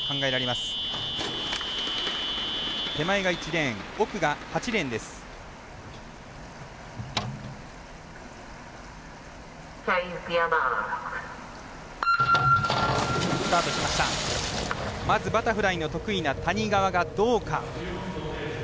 まず、バタフライの得意な谷川がどうか。